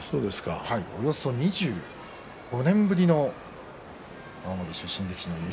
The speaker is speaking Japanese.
およそ２５年ぶりの青森出身力士の優勝。